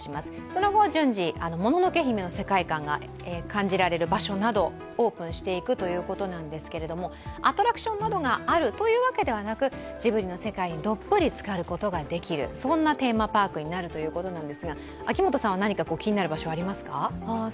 その後、順次「もののけ姫」の世界観が感じられる場所もオープンしていくということなんですけれどもアトラクションなどがあるわけではなく、ジブリの世界にどっぷり浸かることができる、そんなテーマパークになるということなんですが秋元さんは何か気になる場所ありますか？